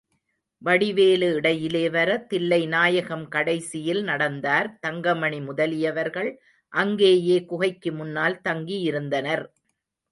வடிவேலு இடயிலே வர, தில்லைநாயகம் கடைசியில் நடந்தார், தங்கமணி முதலியவர்கள் அங்கேயே குகைக்கு முன்னால் தங்கியிருந்தனர்.